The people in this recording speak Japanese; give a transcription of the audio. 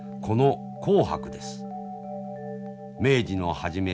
明治の初め